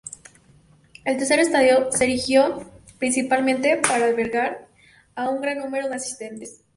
El tercer estadio se erigió principalmente para albergar a un gran número de asistentes.